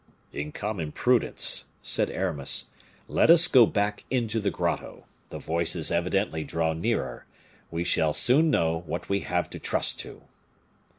"In common prudence," said Aramis, "let us go back into the grotto; the voices evidently draw nearer, we shall soon know what we have to trust to."